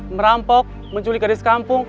merampok menculik gadis kampung